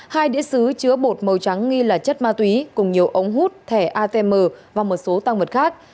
hai đĩa xứ chứa bột màu trắng nghi là chất ma túy cùng nhiều ống hút thẻ atm và một số tăng vật khác